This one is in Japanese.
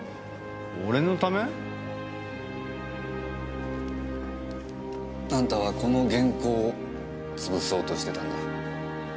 俺のため？あんたはこの原稿を潰そうとしてたんだ。